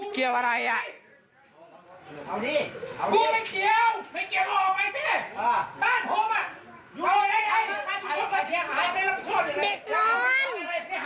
เด็ดล้อน